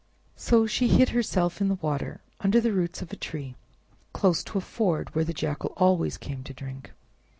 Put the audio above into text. So she hid herself in the water, under the roots of a tree, close to a ford where the Jackal always came to drink.